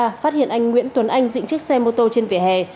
phát hiện anh nguyễn tuấn anh dựng chiếc xe mô tô trên vỉa hè